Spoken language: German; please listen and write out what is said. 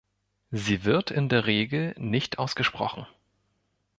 Sie wird in der Regel nicht ausgesprochen.